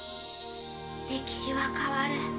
歴史は変わる。